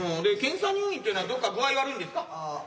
で検査入院っていうのはどっか具合悪いんですか？